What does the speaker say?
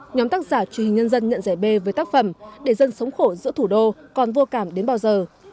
nhóm tác giả truyền hình nhân dân nhận giải b với tác phẩm để dân sống khổ giữa thủ đô còn vô cảm đến bao giờ